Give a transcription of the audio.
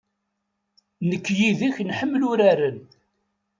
Nekk yid-k nḥemmel uraren.